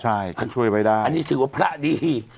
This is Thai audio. ใช่ท่านช่วยไว้ได้อันนี้ถือว่าพระดี